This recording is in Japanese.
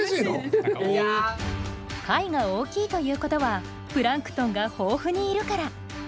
貝が大きいということはプランクトンが豊富にいるから。